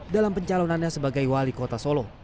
dalam pencalonannya sebagai wali kota solo